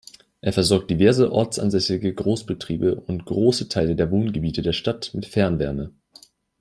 Es versorgt diverse ortsansässige Großbetriebe und große Teile der Wohngebiete der Stadt mit Fernwärme.